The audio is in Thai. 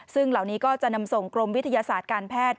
ซึ่งเหล่านี้ก็จะนำส่งกรมวิทยาศาสตร์การแพทย์